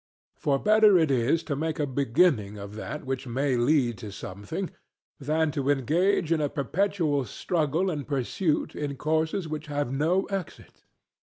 For better it is to make a beginning of that which may lead to something, than to engage in a perpetual struggle and pursuit in courses which have no exit.